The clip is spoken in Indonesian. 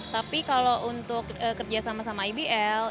tapi kalau untuk kerja sama sama ibl